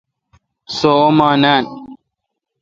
سو اوماں نان